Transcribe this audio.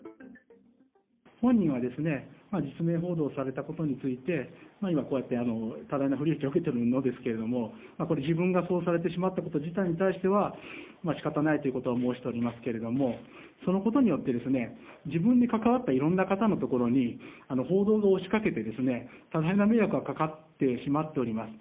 本人はですね、実名報道されたことについて、今、こうやって多大な不利益を受けてるのですけれども、これ、自分がそうされてしまったこと自体に対しては、しかたないということは申しておりますけれども、そのことによって、自分に関わったいろんな方のところに、報道が押しかけて、多大な迷惑がかかってしまっております。